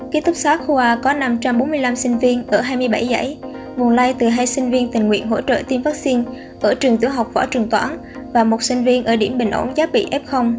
ký thúc xá khu a có năm trăm bốn mươi năm sinh viên ở hai mươi bảy giải nguồn lây từ hai sinh viên tình nguyện hỗ trợ tiêm vaccine ở trường tiểu học võ trường toãn và một sinh viên ở điểm bình ổn giáp bị f